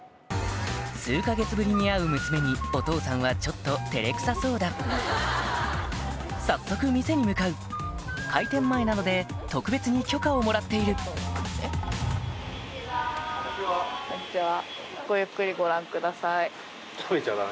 数か月ぶりに会う娘にお父さんはちょっと照れくさそうだ早速店に向かうをもらっている・こんにちは・こんにちは。